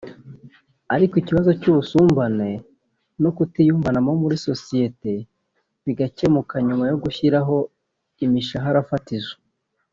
ahari ikibazo cy’ubusumbane no kutiyumvanamo muri Sosiyeti bigakemuka nyuma yo gushyiraho imishahara fatizo